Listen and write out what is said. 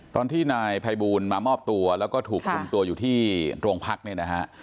ตอนที่นายภัยบูลมามอบตัวแล้วก็ถูกคุมตัวอยู่ที่โรงพักเนี่ยนะฮะ